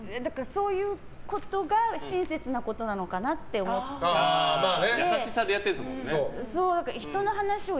そういうことが親切なことなのかなって優しさでやってるんですもんね。